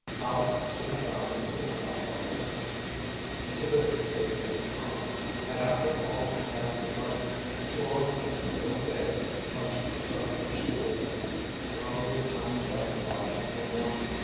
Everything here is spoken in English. Aleck soon found a pool not far distant, and to this they carried Tom, and after all had had a drink, the swollen ankle was bathed, much to the sufferer's relief. Slowly the time dragged by until morning.